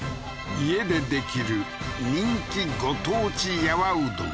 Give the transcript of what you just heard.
家でできる人気ご当地やわうどん